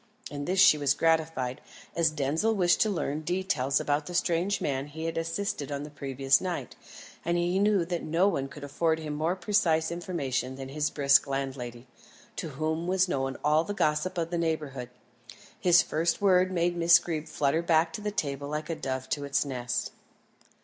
In this she was gratified, as Denzil wished to learn details about the strange man he had assisted on the previous night, and he knew that no one could afford him more precise information than his brisk landlady, to whom was known all the gossip of the neighbourhood. His first word made Miss Greeb flutter back to the table like a dove to its nest.